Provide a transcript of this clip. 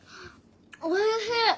おいしい。